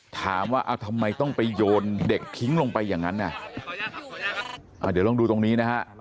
ถามว่าเอาทำไมต้องไปโยนเด็กทิ้งลงไปอย่างนั้นเดี๋ยวลองดูตรงนี้นะฮะ